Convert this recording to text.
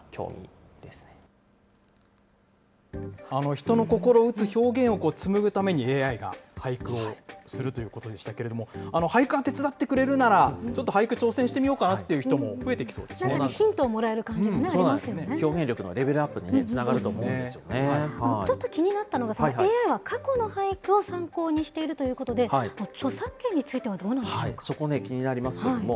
人の心打つ表現を紡ぐためにＡＩが俳句をするということでしたけれども、俳句手伝ってくれるなら、ちょっと俳句挑戦してみようかなというヒントをもらえる感じがあり表現力のレベルアップにつなちょっと気になったのが、ＡＩは過去の俳句を参考にしているということで、著作権についてはそこね、気になりますけれども。